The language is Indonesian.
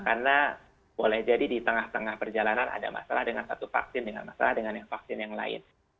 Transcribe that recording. karena boleh jadi di tengah tengah perjalanan ada masalah dengan satu vaksin ada masalah dengan vaksin yang lain